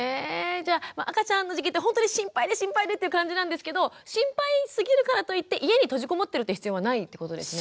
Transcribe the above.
じゃあ赤ちゃんの時期ってほんとに心配で心配でっていう感じなんですけど心配すぎるからといって家に閉じこもってるって必要はないってことですね。